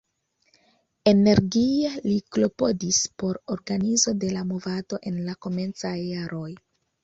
Energie li klopodis por organizo de la movado en la komencaj jaroj.